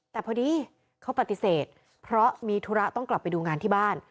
แต่พอดีเขาปฏิเสธเพราะมีธุระต้องกลับไปดูงานที่บ้าน